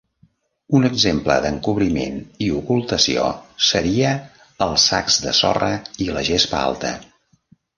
Un exemple de "encobriment i ocultació" seria els sacs de sorra i la gespa alta.